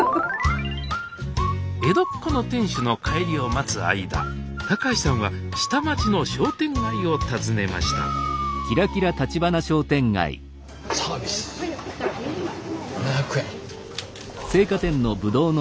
江戸っ子の店主の帰りを待つ間高橋さんは下町の商店街を訪ねました「サービス７００エン」。